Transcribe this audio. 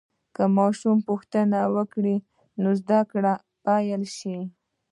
که ماشوم پوښتنه وکړي، نو زده کړه به پیل شي.